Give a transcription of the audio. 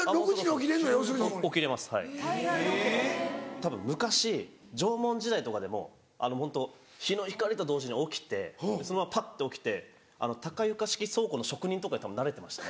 たぶん昔縄文時代とかでもホント日の光と同時に起きてそのままぱって起きて高床式倉庫の職人とかにたぶんなれてましたね。